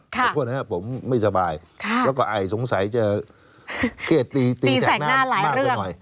ขอโทษนะครับผมไม่สบายแล้วก็ไอสงสัยจะเครียดตีแสกหน้ามากไปหน่อย